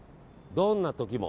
どんな時も。